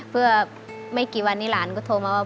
เพื่อไม่กี่วันนี้หลานก็โทรมาว่า